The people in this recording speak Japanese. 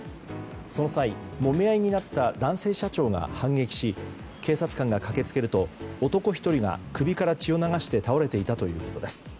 その際、もみ合いになった男性社長が反撃し警察官が駆け付けると男１人が首から血を流して倒れていたということです。